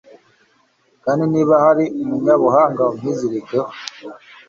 kandi niba hari umunyabuhanga, umwizirikeho